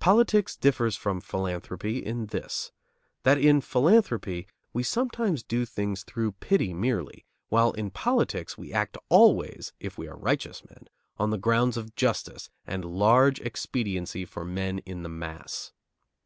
Politics differs from philanthropy in this: that in philanthropy we sometimes do things through pity merely, while in politics we act always, if we are righteous men, on grounds of justice and large expediency for men in the mass.